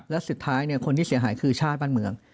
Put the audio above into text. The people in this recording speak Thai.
และสุดท้ายคนที่เสียหายคือชาติบ้านเมือง